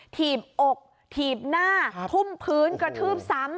ถีบอกถีบหน้าทุ่มพื้นกระทืบซ้ำ